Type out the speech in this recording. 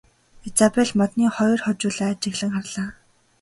Изабель модны хоёр хожуулаа ажиглан харлаа.